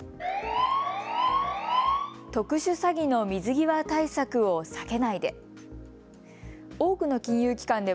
特殊詐欺の水際対策を避けないで。